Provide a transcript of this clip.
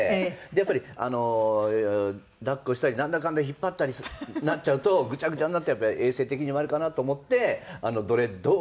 やっぱりあの抱っこしたりなんだかんだ引っ張ったりなっちゃうとぐちゃぐちゃになって衛生的に悪いかなと思ってドレッドをやめましたね。